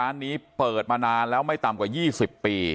นี้เปิดมานานแล้วไม่ต่ำกว่า๒๐ปี